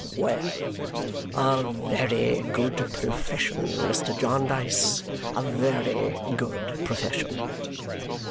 Well! A very good profession, Mr. Jarndyce, a very good profession."